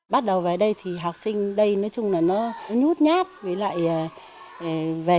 bắt đầu về đây thì học sinh đây nói chung là nó nhút nhát với lại về